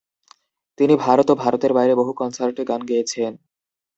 তিনি ভারত ও ভারতের বাইরে বহু কনসার্টে গান গেয়েছেন।